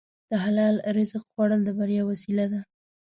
د حلال رزق خوړل د بریا وسیله ده.